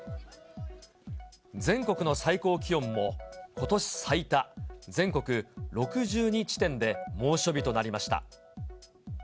全国の最高気温も、ことし最多、全国６２地点で猛暑日となりました。